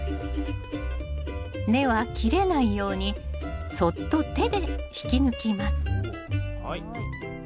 根は切れないようにそっと手で引き抜きます